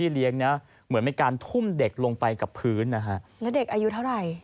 แล้วเด็กอายุเท่าไร